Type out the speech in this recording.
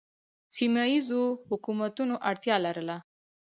سیمه ییزو حکومتونو اړتیا لرله